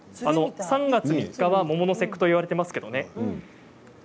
３月３日は桃の節句といわれていますけどね。